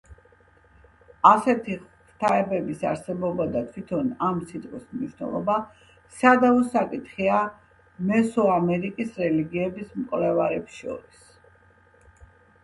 ასეთი ღვთაებების არსებობა და თვითონ ამ სიტყვის მნიშვნელობა სადავო საკითხია მესოამერიკის რელიგიების მკვლევარებს შორის.